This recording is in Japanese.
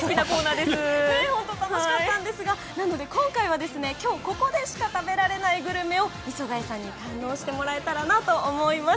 楽しかったんですが今日ここでしか食べられないグルメを、磯貝さんに堪能してもらえたらなと思います。